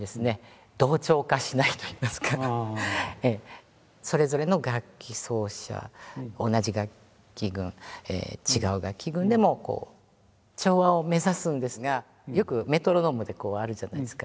ここのそれぞれの楽器奏者同じ楽器群違う楽器群でも調和を目指すんですがよくメトロノームでこうあるじゃないですか実験で。